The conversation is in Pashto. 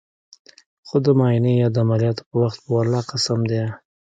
خو د معاينې يا د عمليات په وخت په ولله قسم ديه.